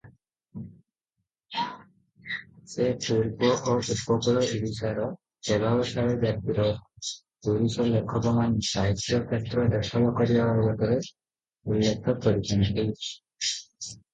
ସେ ପୂର୍ବ ଓ ଉପକୂଳ ଓଡ଼ିଶାର ପ୍ରଭାବଶାଳୀ ଜାତିର ପୁରୁଷ ଲେଖକମାନେ ସାହିତ୍ୟ କ୍ଷେତ୍ର ଦଖଲ କରିବା ବାବଦରେ ଉଲ୍ଲେଖ କରିଛନ୍ତି ।